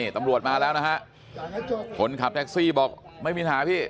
ตำรวจมาแล้วนะฮะคนขับแท็กซี่บอกไม่มีปัญหาพี่